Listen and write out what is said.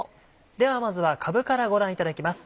ではまずはかぶからご覧いただきます。